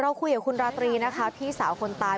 คุยกับคุณราตรีนะคะพี่สาวคนตาย